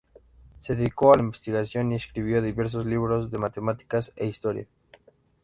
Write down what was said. Se dedicó a la investigación y escribió diversos libros de Matemáticas e Historia.